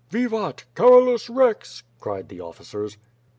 "Vivat, Carolus rex," cried the officers.